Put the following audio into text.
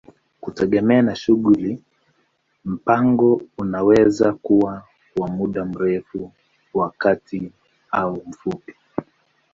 Kutegemea na shughuli, mpango unaweza kuwa wa muda mrefu, wa kati au mfupi.